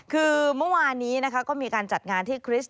คือเมื่อวานนี้นะคะก็มีการจัดงานที่คริสต